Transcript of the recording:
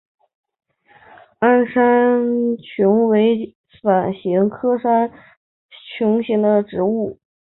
鞘山芎为伞形科山芎属的植物。